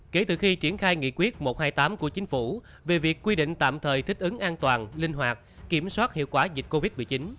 kể từ khi triển khai nghị quyết một trăm hai mươi tám của chính phủ về việc quy định tạm thời thích ứng an toàn linh hoạt kiểm soát hiệu quả dịch covid một mươi chín